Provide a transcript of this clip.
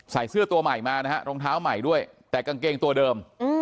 เสื้อตัวใหม่มานะฮะรองเท้าใหม่ด้วยแต่กางเกงตัวเดิม